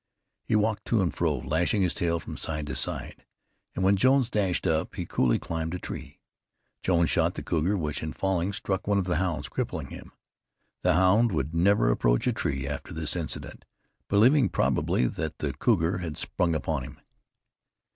He walked to and fro, lashing his tail from side to side, and when Jones dashed up, he coolly climbed a tree. Jones shot the cougar, which, in falling, struck one of the hounds, crippling him. This hound would never approach a tree after this incident, believing probably that the cougar had sprung upon him.